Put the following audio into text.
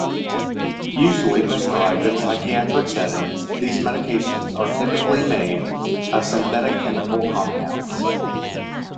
Usually prescribed in psychiatric settings, these medications are typically made of synthetic chemical compounds.